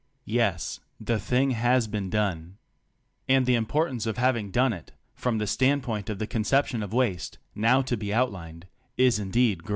Yes, the "thing has been done." And the importance of having done it, from the standpoint of the conception of waste now to be outhned, is indeed great.